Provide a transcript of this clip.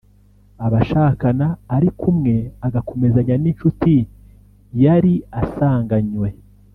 abashakana ariko umwe agakomezanya n’inshuti yari asanganywe